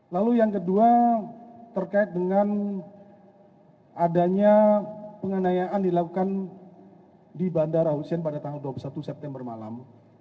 lalu yang kedua terkait dengan adanya penganayaan dilakukan di bandara hussein pada tanggal dua puluh satu september malam